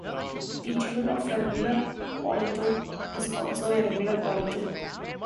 The dual of a regular polytope is also a regular polytope.